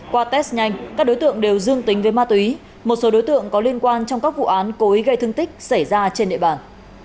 qua test nhanh các đối tượng đều dương tính với ma túy một số đối tượng có liên quan trong các vụ án cố ý gây thương tích xảy ra trên địa bàn